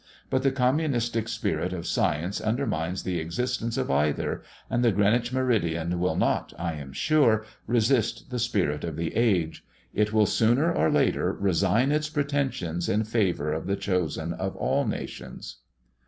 But the communistic spirit of science undermines the existence of either, and the Greenwich meridian will not, I am sure, resist the spirit of the age. It will sooner or later resign its pretensions in favour of the chosen of all nations.